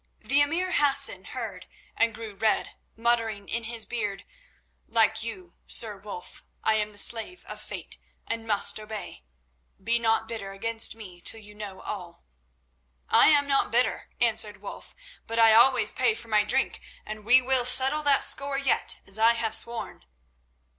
The emir Hassan heard and grew red, muttering in his beard: "Like you, Sir Wulf, I am the slave of Fate, and must obey. Be not bitter against me till you know all." "I am not bitter," answered Wulf, "but I always pay for my drink, and we will settle that score yet, as I have sworn."